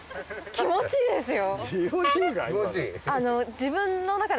気持ちいいですよね。